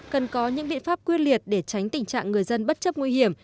cần có những biện pháp quyên liệt để tránh tình trạng người dân bất chấp nguy hiểm